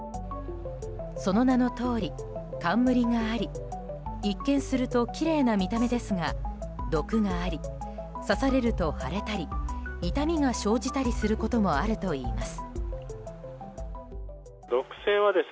その名のとおり、冠があり一見するときれいな見た目ですが毒があり、刺されると腫れたり痛みが生じたりすることもあるといいます。